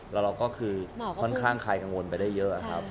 แล้วเราก็คือค่อนข้างคลายกังวลไปได้เยอะครับ